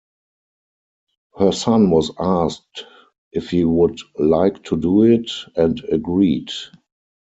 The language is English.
Her son was asked if he would like to do it, and agreed.